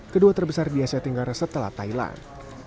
kedua terbesar di asia tenggara setelah thailand